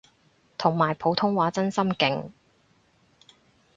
同埋普通話真心勁